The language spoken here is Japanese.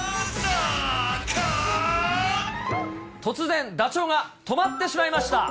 突然、ダチョウが止まってしまいました。